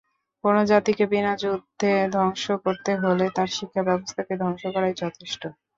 কোনো জাতিকে বিনা যুদ্ধে ধ্বংস করতে হলে তার শিক্ষাব্যবস্থাকে ধ্বংস করাই যথেষ্ট।